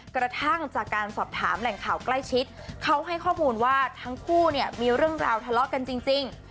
กระทั่งจากการสอบถามแหล่งข่าวใกล้ชิดเขาให้ข้อมูลว่าทั้งคู่เนี่ยมีเรื่องราวทะเลาะกันจริง